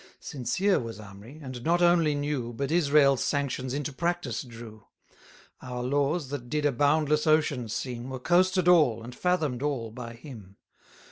Sincere was Amri, and not only knew, But Israel's sanctions into practice drew; Our laws, that did a boundless ocean seem, Were coasted all, and fathom'd all by him.